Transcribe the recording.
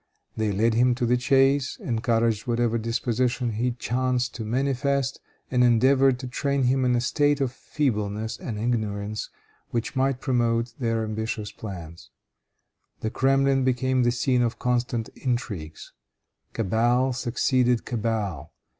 They led him to the chase, encouraged whatever disposition he chanced to manifest, and endeavored to train him in a state of feebleness and ignorance which might promote their ambitious plans. The Kremlin became the scene of constant intrigues. Cabal succeeded cabal.